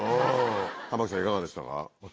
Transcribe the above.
玉木さん、いかがでしたか。